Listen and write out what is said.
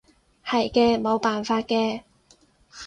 係嘅，冇辦法嘅